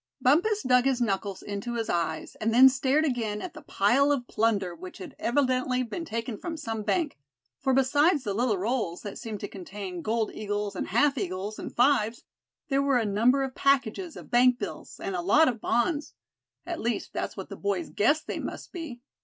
Bumpus dug his knuckles into his eyes, and then stared again at the pile of plunder which had evidently been taken from some bank; for besides the little rolls that seemed to contain gold eagles, and half eagles, and fives, there were a number of packages of bank bills, and a lot of bonds—at least that was what the boys guessed they must be.